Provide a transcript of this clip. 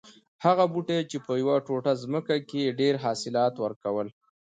هغه بوټی چې په یوه ټوټه ځمکه کې یې ډېر حاصلات ور کول